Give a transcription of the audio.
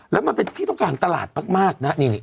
แล้วมันเป็นที่ต้องการตลาดมากนะ